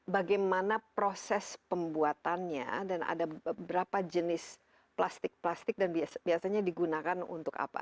bagaimana proses pembuatannya dan ada berapa jenis plastik plastik dan biasanya digunakan untuk apa